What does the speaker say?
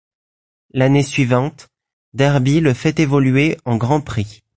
L'année suivante, Derbi le fait évoluer en Grand Prix.